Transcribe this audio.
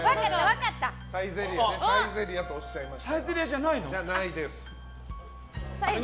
サイゼリヤとおっしゃいました。